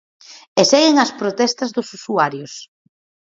E seguen as protestas dos usuarios.